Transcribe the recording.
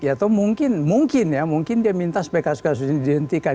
ya itu mungkin mungkin ya mungkin dia minta sebaik kasus kasus ini dihentikan